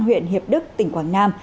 huyện hiệp đức tỉnh quảng nam